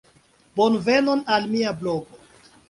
Bonvenon al mia blogo.